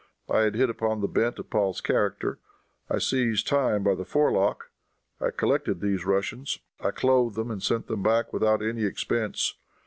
I had hit upon the bent of Paul's character. I seized time by the forelock. I collected these Russians. I clothed them and sent them back without any expense.